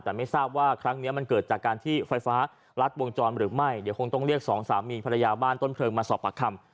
แต่ไม่ทราบว่าครั้งนี้มันเกิดจากการที่ไฟฟ้ารัดวงจรหรือไม่เดี๋ยวคงต้องเรียกสองสามีภรรยาบ้านต้นเพลิงมาสอบปากคำ